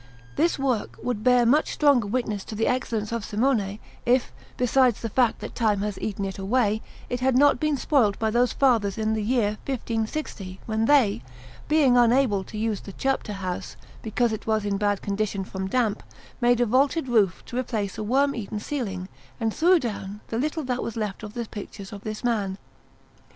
This work would bear much stronger witness to the excellence of Simone, if, besides the fact that time has eaten it away, it had not been spoilt by those Fathers in the year 1560, when they, being unable to use the Chapter house, because it was in bad condition from damp, made a vaulted roof to replace a worm eaten ceiling, and threw down the little that was left of the pictures of this man.